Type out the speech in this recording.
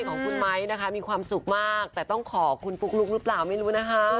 ของคุณไมค์มีความสุขมากแต่ต้องขอคุณปลุกลุกเหรอไม่รู้นะคะ